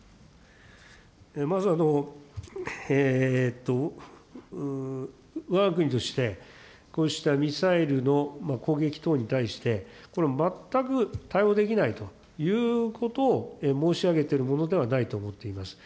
まずはわが国として、こうしたミサイルの攻撃等に対して、これは全く対応できないということを申し上げているものではないと思っております。